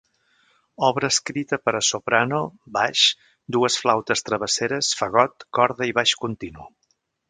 Obra escrita per a soprano, baix, dues flautes travesseres, fagot, corda i baix continu.